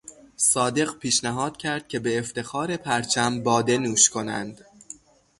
صادق پیشنهاد کرد که به افتخار پرچم بادهنوش کنند.